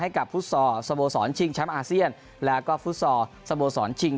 ให้กับพุทธซอร์สโมสรชิงแชนเข้งอาเซียนะครับแล้วก็พุทธซอร์สโมสรชิง